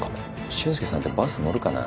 俊介さんってバス乗るかな？